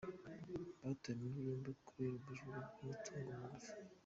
Batawe muri yombi kubera ubujura bw’amatungo magufi